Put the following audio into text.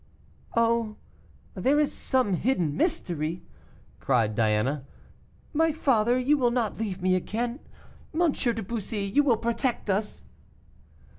"Oh! there is some hidden mystery," cried Diana; "my father, you will not leave me again; M. de Bussy, you will protect us."